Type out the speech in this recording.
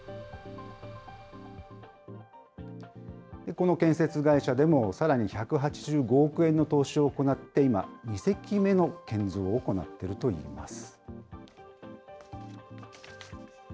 この建設会社でも、さらに１８５億円の投資を行って、今、２隻目の建造を行っているといいます。